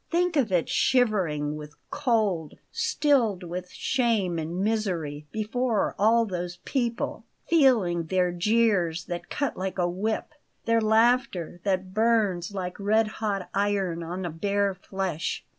Think of it shivering with cold, stilled with shame and misery, before all those people feeling their jeers that cut like a whip their laughter, that burns like red hot iron on the bare flesh!